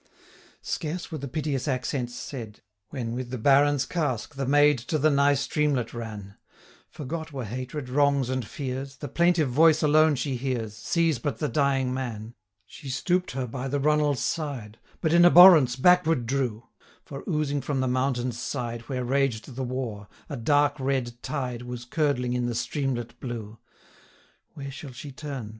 Scarce were the piteous accents said, When, with the Baron's casque, the maid To the nigh streamlet ran: 910 Forgot were hatred, wrongs, and fears; The plaintive voice alone she hears, Sees but the dying man. She stoop'd her by the runnel's side, But in abhorrence backward drew; 915 For, oozing from the mountain's side, Where raged the war, a dark red tide Was curdling in the streamlet blue. Where shall she turn!